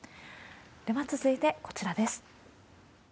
では、続いてこちらです。